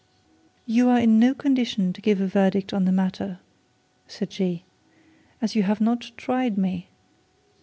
'You are in no condition to give a verdict on the matter,' said she, 'as you have not tried me.